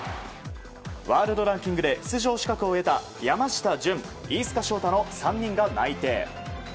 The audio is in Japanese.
ワールドランキングで出場資格を得た山下潤、飯塚翔太の３人が内定。